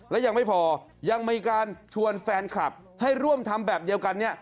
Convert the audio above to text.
และยังไม่พอยังมีการชวนแฟนคลับให้ร่วมทำแบบเดียวกันเนี่ย